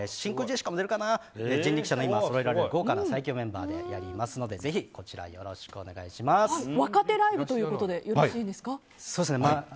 今、人力舎がそろえられる豪華な最強メンバーでやりますのでぜひ、こちら若手ライブということでよろしいですか。